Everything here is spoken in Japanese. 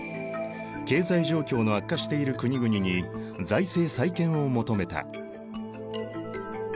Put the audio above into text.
経済状況の悪化している国々に財政再建を求めた。